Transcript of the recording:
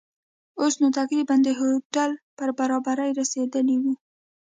اوس نو تقریباً د هوټل پر برابري رسېدلي وو.